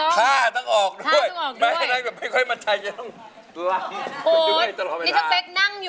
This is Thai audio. พอเห็นจะร้องเป็นไทย